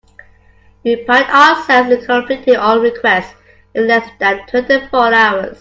We pride ourselves in completing all requests in less than twenty four hours.